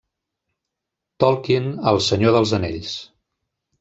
Tolkien a El Senyor dels Anells.